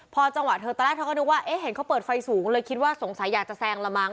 พอจังหวะเธอตอนแรกเธอก็นึกว่าเอ๊ะเห็นเขาเปิดไฟสูงเลยคิดว่าสงสัยอยากจะแซงละมั้